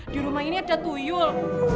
di rumah ini ada tuyul